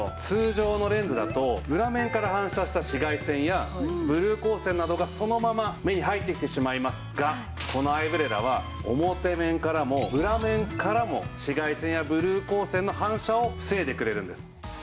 通常のレンズだと裏面から反射した紫外線やブルー光線などがそのまま目に入ってきてしまいますがこのアイブレラは表面からも裏面からも紫外線やブルー光線の反射を防いでくれるんです。